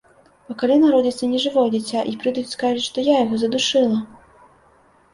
А калі народзіцца нежывое дзіця, і прыйдуць і скажуць, што я яго задушыла?